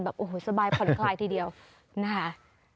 แบบโอ้โหสบายผลคลายทีเดียวนะฮะ